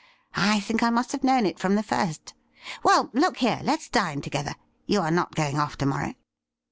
I think I ; must have known it from the first. Well, look here, let's dine together. You are not going off to morrow